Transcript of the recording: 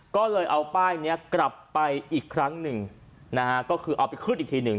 ก็เลยเอาป้ายนี้กลับไปอีกครั้งหนึ่งนะฮะก็คือเอาไปขึ้นอีกทีหนึ่ง